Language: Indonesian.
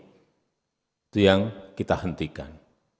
itu yang kita hentikan